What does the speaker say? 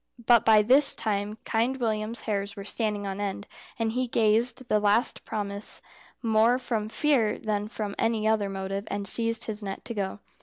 But by this time Kind William's hairs were standing on end, and he gave the last promise more from fear than from any other motive, and seized his net to go.